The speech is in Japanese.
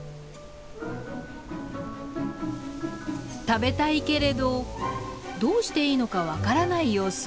食べたいけれどどうしていいのか分からない様子。